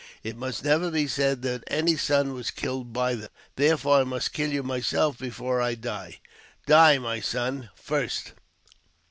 It must never be said that my son was killed by them, therefore I must kill you myself before I die. Die, my son, first